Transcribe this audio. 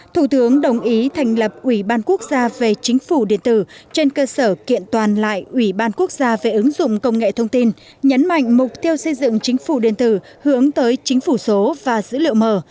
thủ tướng đồng ý thành lập ủy ban quốc gia về chính phủ điện tử trên cơ sở kiện toàn lại ủy ban quốc gia về ứng dụng công nghệ thông tin nhấn mạnh mục tiêu xây dựng chính phủ điện tử hướng tới chính phủ số và dữ liệu mở